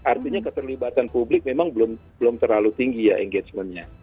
artinya keterlibatan publik memang belum terlalu tinggi ya engagementnya